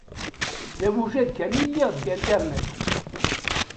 D abujad kan i lliɣ deg Internet.